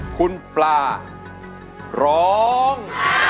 คุณปลาร้อง